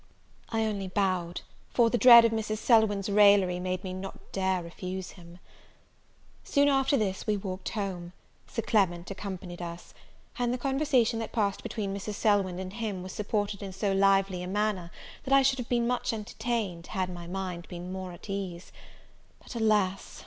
I only bowed, for the dread of Mrs. Selwyn's raillery made me not dare refuse him. Soon after this we walked home: Sir Clement accompanied us; and the conversation that passed between Mrs. Selwyn and him was supported in so lively a manner, that I should have been much entertained, had my mind been more at ease: but, alas!